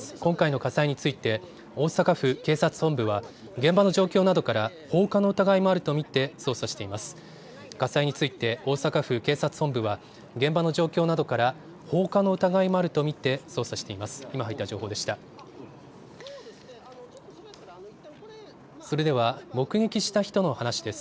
火災について大阪府警察本部は、現場の状況などから放火の疑いもあると見て捜査しています。